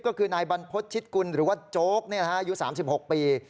ก็คือนายบรรพฤษชิดกุลหรือว่าโจ๊กอายุ๓๖ปี